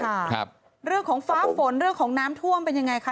ครับเรื่องของฟ้าฝนเรื่องของน้ำท่วมเป็นยังไงคะ